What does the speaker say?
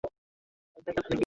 Angalau tuwe pamoja